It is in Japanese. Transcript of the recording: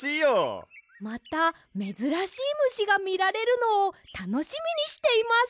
まためずらしいむしがみられるのをたのしみにしています！